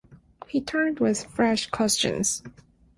He turned with fresh questions.